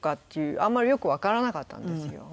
あんまりよくわからなかったんですよ。